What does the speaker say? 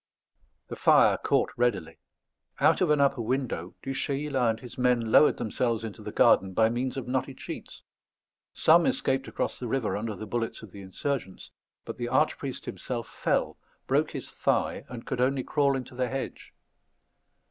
The fire caught readily. Out of an upper window Du Chayla and his men lowered themselves into the garden by means of knotted sheets; some escaped across the river under the bullets of the insurgents; but the archpriest himself fell, broke his thigh, and could only crawl into the hedge.